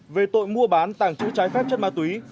về tội mua bán tàng trữ trái phép chất ma túy